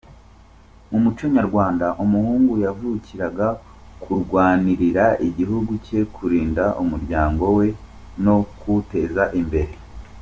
Mu muco nyarwanda umuhungu yavukiraga kurwanirira igihugu cye, kurinda umuryango we no kuwuteza imbere.